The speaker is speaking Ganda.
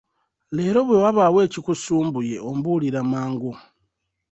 Leero bwe wabaawo ekikusumbuye ombuulira mangu.